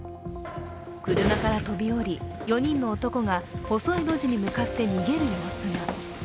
車から飛び降り４人の男が細い路地に向かって逃げる様子が。